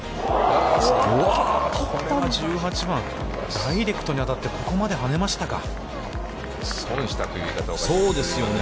うわあ、これは１８番、ダイレクトに当たって、ここまではねましたかね。